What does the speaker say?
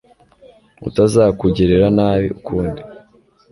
utazakugirira nabi ukundi